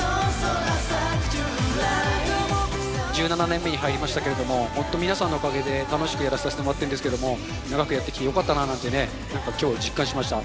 １７年目に入りましたけど、本当、皆さんのおかげで楽しくやらせてもらっているんですけれども、長くやってきてよかったななんて、やっぱきょう、実感しました。